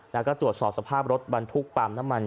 แล้วก็ตรวจสอบสภาพรถบรรทุกปาล์มน้ำมัน